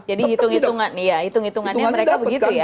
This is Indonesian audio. jadi hitung hitungan ya hitung hitungannya mereka begitu ya